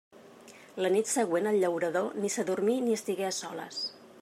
La nit següent el llaurador ni s'adormí ni estigué a soles.